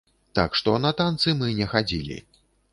Так што на танцы мы не хадзілі.